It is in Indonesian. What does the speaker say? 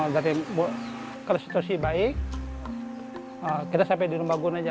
dari kualitas situasi baik kita sampai di lembagun saja